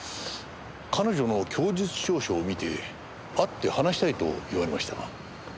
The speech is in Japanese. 彼女の供述調書を見て会って話したいと言われましたが。